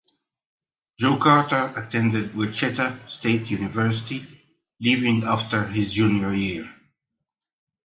Joe Carter attended Wichita State University, leaving after his junior year.